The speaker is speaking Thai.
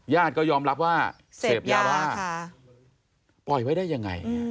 ก็ยอมรับว่าเสพยาบ้าปล่อยไว้ได้ยังไง